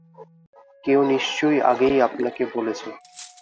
কেউ নিশ্চয় আগেই আপনাকে বলেছে।